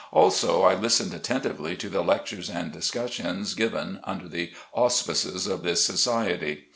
Also, I listened attentively to the lectures and discussions given under the auspices of this society.